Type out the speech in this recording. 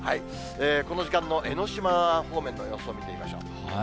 この時間の江の島方面の様子を見てみましょう。